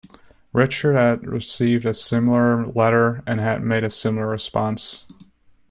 Richard had received a similar letter and had made a similar response.